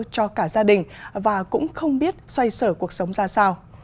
cho cả gia đình và cũng không biết xoay sở cuộc sống ra sao